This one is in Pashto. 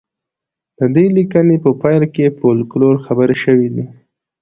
د دې لیکنې په پیل کې په فولکلور خبرې شوې دي